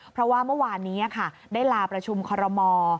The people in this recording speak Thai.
เพราะว่าเมื่อวานนี้ได้ลาประชุมคอรมอ